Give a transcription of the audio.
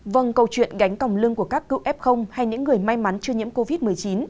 vâng câu chuyện gánh còng lưng của các cựu f hay những người may mắn chưa nhiễm covid một mươi chín